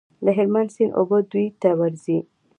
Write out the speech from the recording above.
د هلمند سیند اوبه دوی ته ورځي.